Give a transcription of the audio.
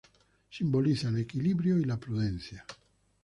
Simboliza el equilibrio y la prudencia.